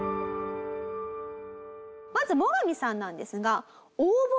まずモガミさんなんですが。